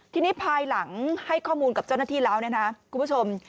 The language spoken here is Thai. ทีนี้ภายหลังให้ข้อมูลกับเจ้าหน้าที่แล้วเนี่ยนะคุณผู้ชม